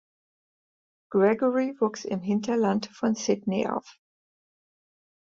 Gregory wuchs im Hinterland von Sydney auf.